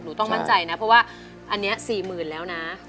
หนูต้องมั่นใจนะเพราะว่าอันนี้สี่หมื่นแล้วนะ